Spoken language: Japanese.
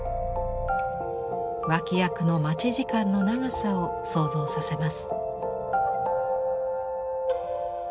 脇役の待ち時間の長さを想像させます。